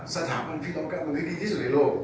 สถานปัญญาตีฟิลักษณะก็เป็นที่สุดในโลก